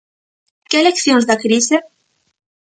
Que leccións da crise?